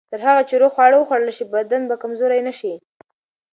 تر هغه چې روغ خواړه وخوړل شي، بدن به کمزوری نه شي.